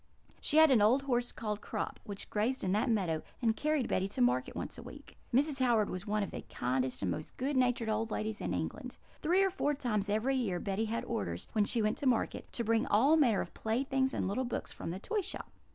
She had an old horse called Crop, which grazed in that meadow, and carried Betty to market once a week. Mrs. Howard was one of the kindest and most good natured old ladies in England. Three or four times every year Betty had orders, when she went to market, to bring all manner of playthings and little books from the toy shop.